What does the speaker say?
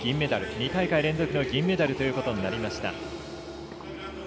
２大会連続の銀メダルということになりました。